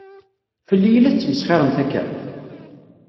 Fell-i i la tettmesxiṛemt akka?